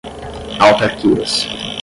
autarquias